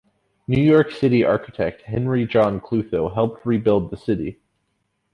New York City architect Henry John Klutho helped rebuild the city.